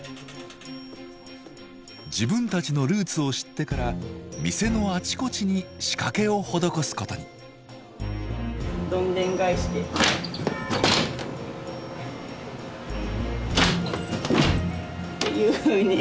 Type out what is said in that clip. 自分たちのルーツを知ってから店のあちこちに仕掛けを施すことに。というふうに。